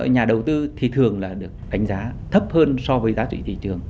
nhà đầu tư thì thường là được đánh giá thấp hơn so với giá trị thị trường